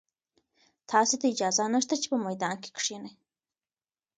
تاسي ته اجازه نشته چې په میدان کې کښېنئ.